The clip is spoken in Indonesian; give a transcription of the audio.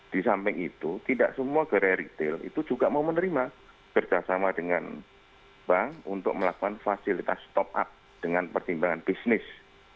di samping itu tidak semua gerai retail itu juga mau menerima kerjasama dengan bank untuk melakukan fasilitas top up dengan pertimbangan bisnis